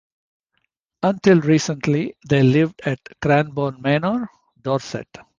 Until recently, they lived at Cranborne Manor, Dorset.